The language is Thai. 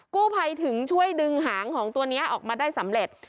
กู้ภัยถึงช่วยดึงหางของตัวนี้ออกมาได้สำเร็จ